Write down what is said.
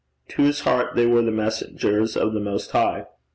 To his heart they were the messengers of the Most High.